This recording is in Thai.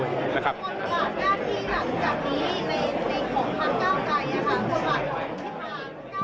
คุณผู้ชมแค่ทีหลังจากนี้ในของภาคเก้าไกลคุณผู้ชมคุณพิธา